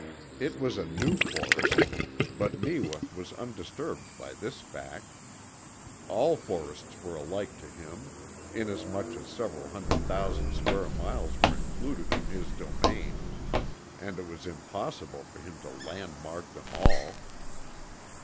It was a new forest, but Neewa was undisturbed by this fact. All forests were alike to him, inasmuch as several hundred thousand square miles were included in his domain and it was impossible for him to landmark them all.